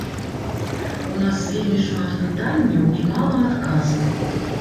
У нас вельмі шмат пытанняў і мала адказаў.